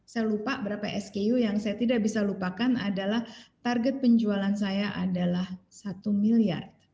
saya lupa berapa sku yang saya tidak bisa lupakan adalah target penjualan saya adalah satu miliar